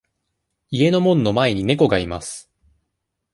家の門の前に猫がいます。